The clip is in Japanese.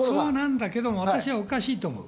そうなんだけども、私はおかしいと思う。